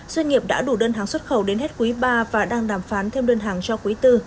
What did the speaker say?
doanh nghiệp đã đủ đơn hàng xuất khẩu đến hết quý ba và đang đàm phán thêm đơn hàng cho quý tư